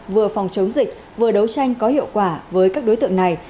vừa phòng chống dịch vừa đấu tranh có hiệu quả với các đối tượng này